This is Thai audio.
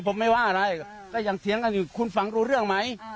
ผมไม่ว่าอะไรก็ยังเถียงกันอยู่คุณฟังรู้เรื่องไหม